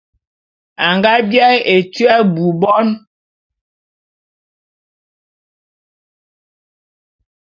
A nga biaé etua abui bon.